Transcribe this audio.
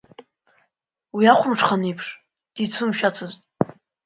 Уи ахәымҽхан еиԥш дицәымшәацызт.